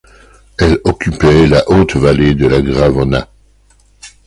Elle occupait la haute vallée de la Gravona.